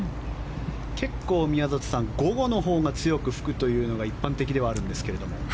結構、宮里さん午後のほうが強く吹くというのが一般的ではあるんですけど。